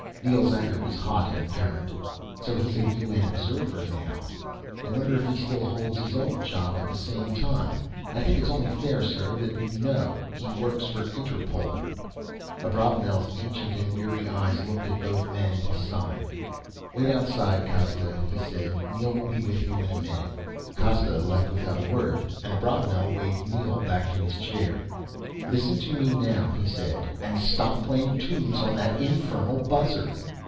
Neel's anger was hot and apparent. "So he's a UN observer now. I wonder if he still holds his old job at the same time. I think it only fair, sir, that you know. He works for Interpol." Abravanel's ancient and weary eyes looked at both men, and he sighed. "Wait outside Costa," he said, "Neel will be with you in a minute." Costa left without a word and Abravanel waved Neel back to his chair. "Listen to me now," he said, "and stop playing tunes on that infernal buzzer."